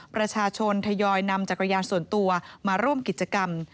ประชาชนทยอยนำจักรยานส่วนตัวมาร่วมกิจกรรม